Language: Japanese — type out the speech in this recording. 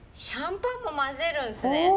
シャンパンも混ぜるんですね。